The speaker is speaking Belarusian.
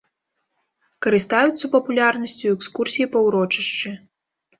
Карыстаюцца папулярнасцю экскурсіі па ўрочышчы.